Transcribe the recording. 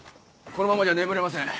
このままじゃ眠れません。